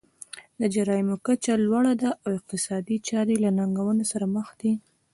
د جرایمو کچه لوړه ده او اقتصادي چارې له ننګونو سره مخ دي.